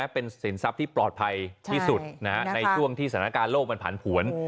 เป็นสินทรัพย์ที่ปลอดภัยที่สุดในช่วงที่สถานการณ์โลกมันผันผวน